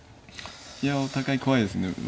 いやお互い怖いですね。